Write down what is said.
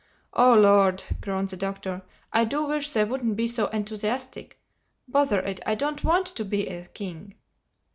"Oh Lord!" groaned the Doctor, "I do wish they wouldn't be so enthusiastic! Bother it, I don't want to be a king!"